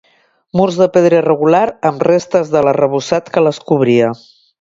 Murs de pedra irregular amb restes de l'arrebossat que les cobria.